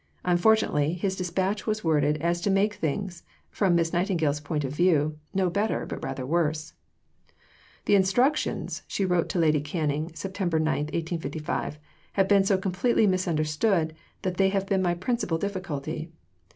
Unfortunately, his dispatch was so worded as to make things, from Miss Nightingale's point of view, no better, but rather worse. "The instructions," she wrote to Lady Canning (Sept. 9, 1855), "have been so completely misunderstood that they have been my principal difficulty.